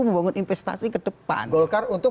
membangun investasi ke depan golkar untuk